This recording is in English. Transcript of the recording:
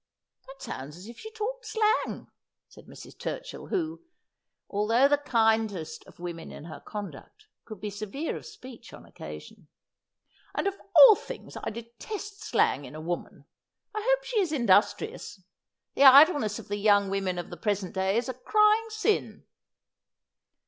' Th tt sounds as if she talked slang,' said Mrs. TtirchiU, who, although the kindest of women in her conduct, could be severe of spe< ch on occasion, ' and of all things I detest slang in a woman. I hope she is industrious. The idleness of the young women of the present day is a crying sin.'